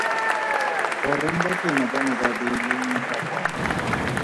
Goreng Bakwena ba ne ba beile mopakwana?